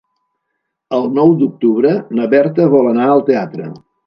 El nou d'octubre na Berta vol anar al teatre.